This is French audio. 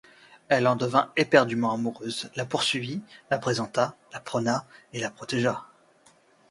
Elle en devint éperdument amoureuse, la poursuivit, la présenta, la prôna et la protégea.